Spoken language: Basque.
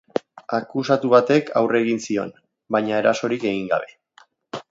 Akusatu batek aurre egin zion, baina erasorik egin gabe.